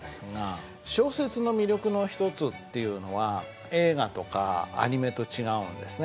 小説の魅力の一つっていうのは映画とかアニメと違うんですね。